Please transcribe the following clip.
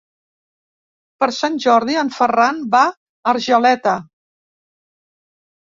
Per Sant Jordi en Ferran va a Argeleta.